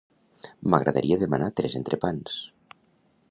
M'agradaria demanar tres entrepans.